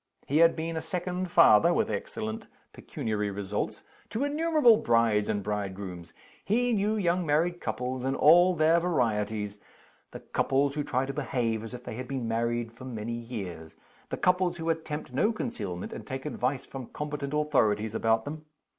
He had been a second father (with excellent pecuniary results) to innumerable brides and bridegrooms. He knew young married couples in all their varieties: The couples who try to behave as if they had been married for many years; the couples who attempt no concealment, and take advice from competent authorities about them.